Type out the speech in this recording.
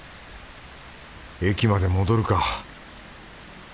駅まで戻るか